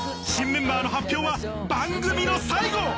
新メンバーの発表は番組の最後！